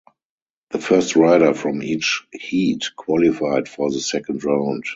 The first rider from each heat qualified for the second round.